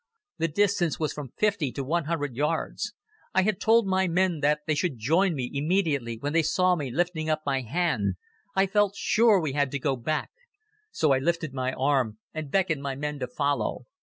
The distance was from fifty to one hundred yards. I had told my men that they should join me immediately when they saw me lifting up my hand. I felt sure we had to go back. So I lifted my arm and beckoned my men to follow.